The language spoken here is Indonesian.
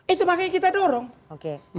itu makanya kita dorong